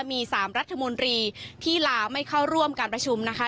มี๓รัฐมนตรีที่ลาไม่เข้าร่วมการประชุมนะคะ